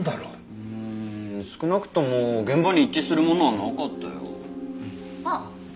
うん少なくとも現場に一致するものはなかったよ。あっ！